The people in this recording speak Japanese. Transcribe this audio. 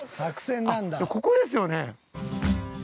あっ、ここですよね。